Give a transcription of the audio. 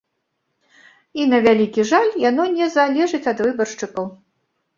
І, на вялікі жаль, яно не залежыць ад выбаршчыкаў.